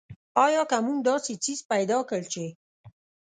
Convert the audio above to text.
آیا که موږ داسې څیز پیدا کړ چې.